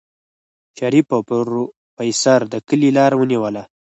شريف او پروفيسر د کلي لار ونيوله.